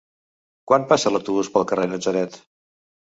Quan passa l'autobús pel carrer Natzaret?